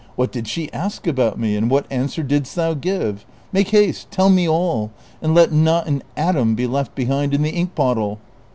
What did she ask about me, and what answer didst thou give ? Make haste ; tell me all, and let not an atom be left behind in the ink bottle."